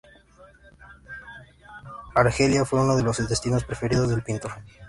Argelia fue uno de los destinos preferidos del pintor.